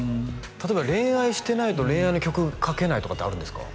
例えば恋愛してないと恋愛の曲書けないとかってあるんですか？